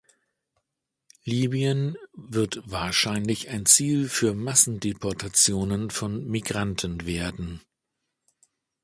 Libyen wird wahrscheinlich ein Ziel für Massendeportationen von Migranten werden.